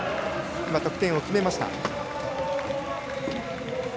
得点を決めました。